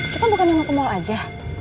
kita bukan yang mau ke mall aja